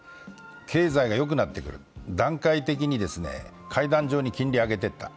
経済がよくなってくる、段階的に金利を上げていった。